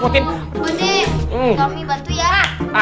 bodi kami bantu ya